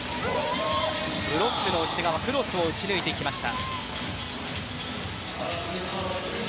ブロックの内側クロスを打ち抜いていきました。